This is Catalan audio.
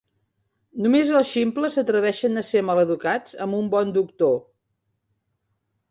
Només els ximples s"atreveixen a ser maleducats amb un bon doctor.